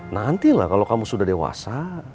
nanti lah kalau kamu sudah dewasa